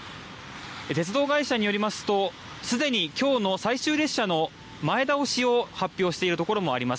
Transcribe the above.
鉄道会社によりますと、すでにきょうの最終列車の前倒しを発表しているところもあります。